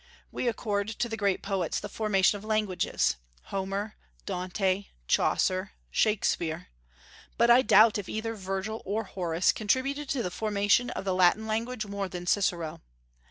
We accord to the great poets the formation of languages, Homer, Dante, Chaucer, Shakspeare; but I doubt if either Virgil or Horace contributed to the formation of the Latin language more than Cicero.